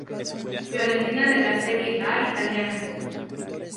Fiorentina de la Serie A italiana.